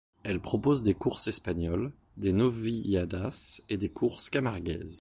Elle propose des courses espagnoles, des novilladas et des courses camarguaises.